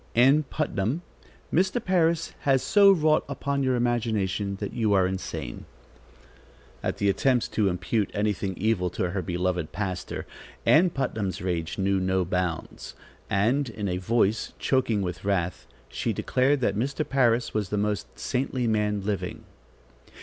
"Ann Putnam, Mr. Parris has so wrought upon your imagination, that you are insane." At the attempt to impute anything evil to her beloved pastor, Ann Putnam's rage knew no bounds, and, in a voice choking with wrath, she declared that Mr. Parris was the most saintly man living.